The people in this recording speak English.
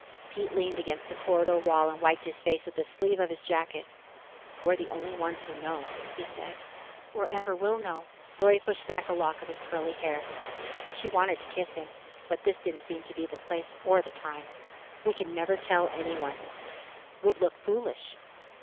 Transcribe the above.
Pete leaned against the corridor wall and wiped his face with the sleeve of his jacket. "We're the only ones who know," he said. "Or ever will know." Lorry pushed back a lock of his curly hair. She wanted to kiss him, but this didn't seem to be the place or the time. "We can never tell anyone." "We'd look foolish."